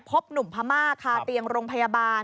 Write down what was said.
พบหนุ่มพม่าคาเตียงโรงพยาบาล